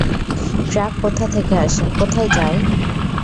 Truck কোথা থেকে আসে, কোথায় যায়?